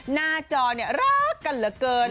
หน้าจอเนี่ยรักกันเหลือเกิน